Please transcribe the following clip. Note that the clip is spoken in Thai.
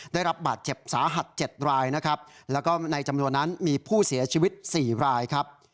ได้รับบาดเจ็บสาหัส๗รายนะครับแล้วก็ในจำนวนนั้นมีผู้เสียชีวิต๔รายครับ